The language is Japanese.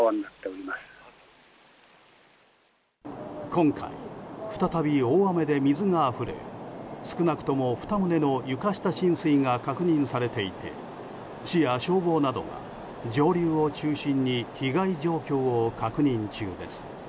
今回、再び大雨で水があふれ少なくとも２棟の床下浸水が確認されていて市や消防などが上流を中心に被害状況を確認中です。